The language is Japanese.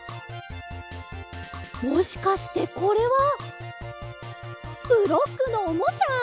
もしかしてこれはブロックのおもちゃ？